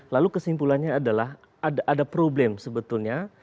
lalu kesimpulannya adalah ada problem sebetulnya